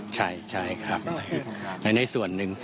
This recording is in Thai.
ใช่ครับในส่วนหนึ่ง